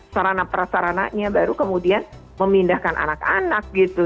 sarana prasarananya baru kemudian memindahkan anak anak gitu